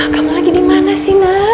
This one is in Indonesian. kamu lagi dimana sih nak